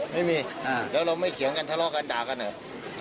ไม่มีแล้วเราไม่เถียงกันทะเลาะกันด่ากันเหรอ